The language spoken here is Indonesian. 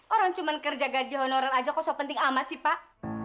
orang cuman kerja gaji honoran aja kok so penting amat sih pak